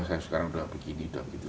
saya sekarang sudah begini sudah begitu